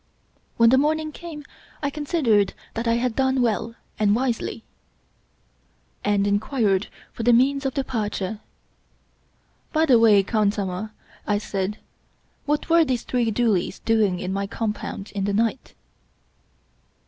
When the morning came, I considered that I had done well and wisely, and inquired for the means of departure. " By the way, khansamah/' I said, " what were those three doolies doing in my compound in the night